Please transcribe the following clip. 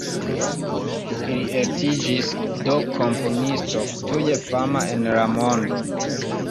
Li estiĝis do komponisto tuj fama en la mondo.